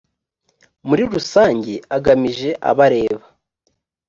murirusange agamije abo areba